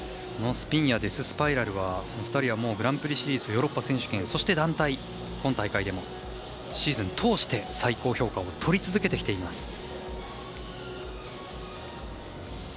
スピンやデススパイラルは２人はグランプリシリーズヨーロッパ選手権、そして団体今大会でもシーズン通して最高評価をとり続けてきています。